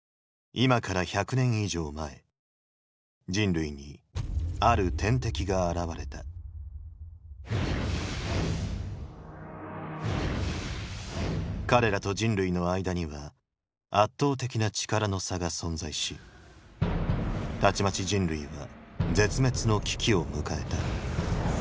今から１００年以上前人類にある天敵が現れた彼らと人類の間には圧倒的な力の差が存在したちまち人類は絶滅の危機を迎えた